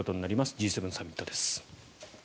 Ｇ７サミットです。